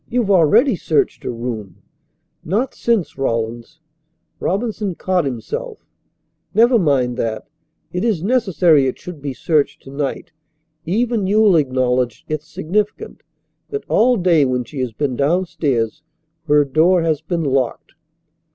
"You've already searched her room." "Not since Rawlins " Robinson caught himself. "Never mind that. It is necessary it should be searched to night. Even you'll acknowledge it's significant that all day when she has been downstairs her door has been locked."